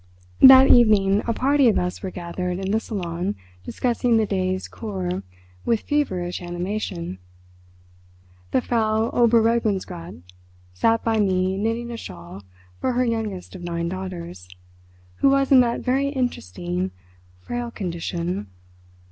That evening a party of us were gathered in the salon discussing the day's "kur" with feverish animation. The Frau Oberregierungsrat sat by me knitting a shawl for her youngest of nine daughters, who was in that very interesting, frail condition....